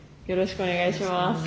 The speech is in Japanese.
よろしくお願いします。